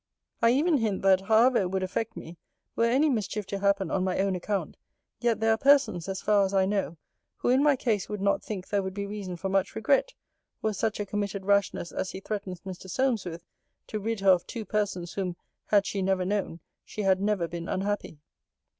'I even hint, that, however it would affect me, were any mischief to happen on my own account, yet there are persons, as far as I know, who in my case would not think there would be reason for much regret, were such a committed rashness as he threatens Mr. Solmes with, to rid her of two persons whom, had she never known, she had never been unhappy.'